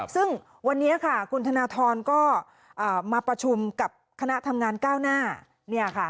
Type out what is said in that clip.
ซึ่งวันนี้ค่ะคุณธนทรก็มาประชุมกับคณะทำงานก้าวหน้า